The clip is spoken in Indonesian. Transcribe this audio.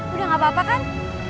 udah gapapa kan